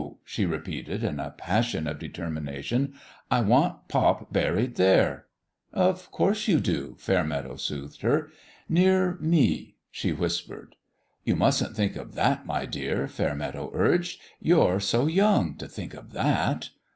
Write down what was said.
she repeated, in a passion of de termination. " I want pop buried there !" "Of course, you do," Fainneadow soothed her. "Near me," she whispered. "You mustn't think of thai, my dear," Fair meadow urged. "You're so young to thmk of that."